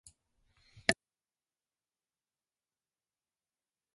雨の音って落ち着くよね。